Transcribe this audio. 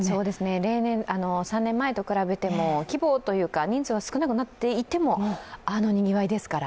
例年、３年前と比べても規模というか人数は少なくなっていてもあのにぎわいですから。